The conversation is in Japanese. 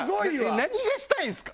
何がしたいんですか？